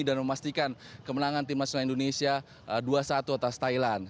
memastikan kemenangan tim nasional indonesia dua satu atas thailand